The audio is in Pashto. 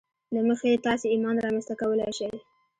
له مخې یې تاسې ایمان رامنځته کولای شئ